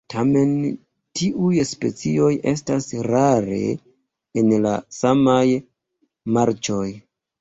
Tamen tiuj specioj estas rare en la samaj marĉoj.